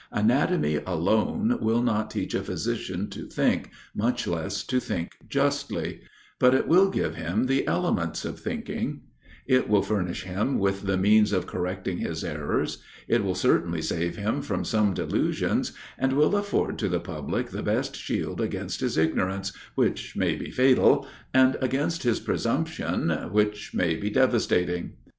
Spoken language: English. Anatomy alone will not teach a physician to think, much less to think justly; but it will give him the elements of thinking; it will furnish him with the means of correcting his errors; it will certainly save him from some delusions, and will afford to the public the best shield against his ignorance, which may be fatal, and against his presumption, which may be devastating.